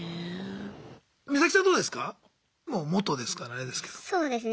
ミサキさんどうですか？